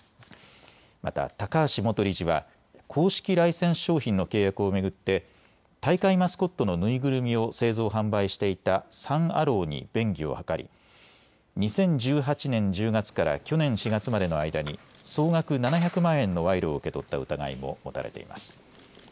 また高橋元理事は公式ライセンス商品の契約を巡って大会マスコットの縫いぐるみを製造・販売していたサン・アローに便宜を図り、２０１８年１０月から去年４月までの間に総額７００万円の賄賂を受け取った疑いも持たれています。